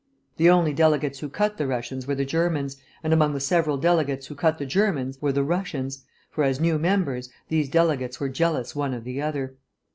The only delegates who cut the Russians were the Germans, and among the several delegates who cut the Germans were the Russians, for, as new members, these delegates were jealous one of the other.